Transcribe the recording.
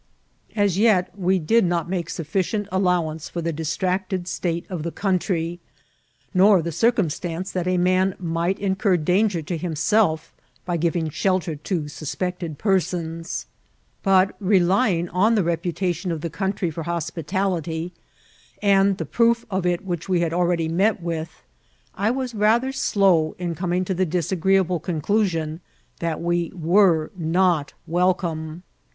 As yet we did not make suffi cient allowance for the distracted state of the country, nor the circumstance that a man might incur danger to himself by giving shelter to suspected persons ; but, re ▲ H VMOEACIOVS HOST. 99 Ijring on the reputation of the country for hospitality, and the proof of it which we had ahready met with, I was rather slow in coming to the disagreeable conchi sion that we were not welcome.